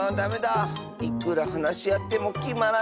いくらはなしあってもきまらないッス。